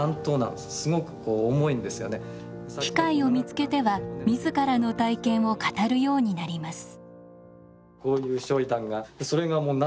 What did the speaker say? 機会を見つけては自らの体験を語るようになります。